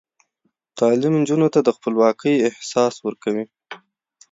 تعلیم نجونو ته د خپلواکۍ احساس ورکوي.